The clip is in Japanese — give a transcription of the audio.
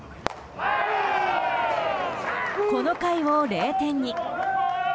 この回を０点に。